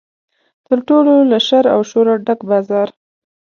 تر ټولو له شر او شوره ډک بازار.